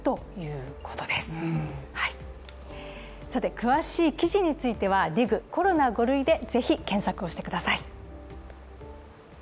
詳しい記事については「ＤＩＧコロナ５類」でぜひ検索してください。